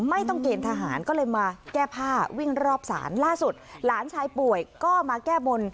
ไม่ต้องเกณฑ์ทหารก็เลยมาแก้ผ้าวิ่งรอบศาลล่าสุดหลานชายป่วยก็มาแก้บน